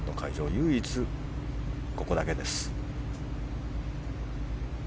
唯一、ここだけです。